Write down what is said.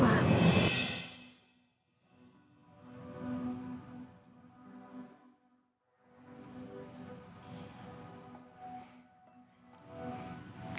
tata dia sangat benci sama aku pak